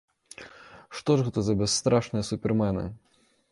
Што ж гэта за бясстрашныя супермены?